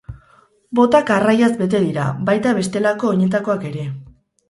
Botak arraiaz bete dira, baita, bestelako oinetakoak ere.